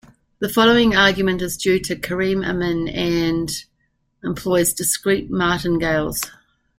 The following argument is due to Kareem Amin and employs discrete martingales.